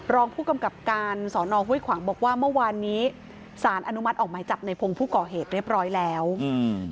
รองผู้กำกับการสอนอห้วยขวางบอกว่าเมื่อวานนี้สารอนุมัติออกหมายจับในพงศ์ผู้ก่อเหตุเรียบร้อยแล้วอืม